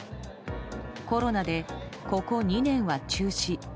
コロナで、ここ２年は中止。